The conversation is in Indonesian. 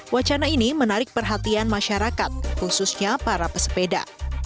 wacana ini menarik perhatian masyarakat khususnya para pesepeda